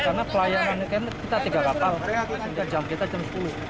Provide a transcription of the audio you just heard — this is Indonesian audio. karena pelayanan kita tiga kapal jam kita jam sepuluh